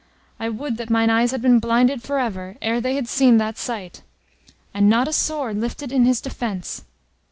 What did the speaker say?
I would that mine eyes had been blinded for ever, ere they had seen that sight! And not a sword lifted in his defence!